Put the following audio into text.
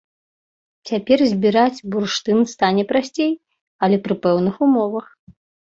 Цяпер збіраць бурштын стане прасцей, але пры пэўных умовах.